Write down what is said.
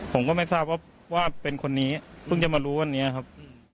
ผมก็ไม่ทราบว่าเป็นคนนี้เพิ่งจะมารู้วันนี้ครับ